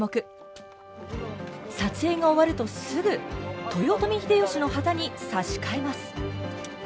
撮影が終わるとすぐ豊臣秀吉の旗に差し替えます。